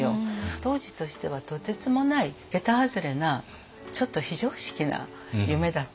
当時としてはとてつもない桁外れなちょっと非常識な夢だったんですよね。